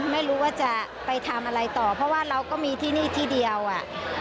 ไม่รู้ว่าจะไปทำอะไรต่อเพราะว่าเราก็มีที่นี่ที่เดียวอ่ะ